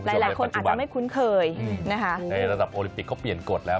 หลายคนอาจจะไม่คุ้นเคยนะคะในระดับโอลิปิกเขาเปลี่ยนกฎแล้ว